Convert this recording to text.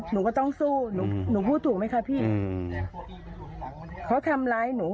หนูก็ต้องสู้หนูหนูพูดถูกไหมคะพี่อืมเขาทำร้ายหนู